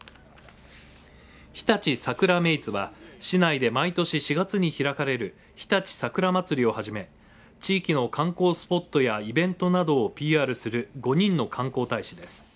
日立さくらメイツは市内で毎年４月に開かれる日立さくらまつりをはじめ地域の観光スポットやイベントなどをＰＲする５人の観光大使です。